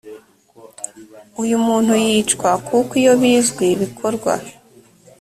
uyu muntu yicwa kuko iyo bizwi bikorwa